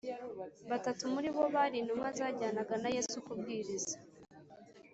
Batatu muri bo bari intumwa zajyanaga na Yesu kubwiriza